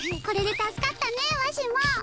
これで助かったねわしも。